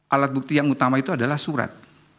alat bukti yang utama itu adalah surat